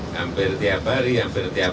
hampir tiap hari hampir tiap hari